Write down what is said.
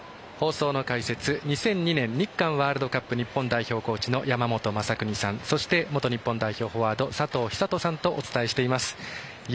放送の解説、２００２年日韓ワールドカップ日本代表コーチの山本昌邦さんそして元日本代表フォワードの佐藤寿人さんとお伝えしています。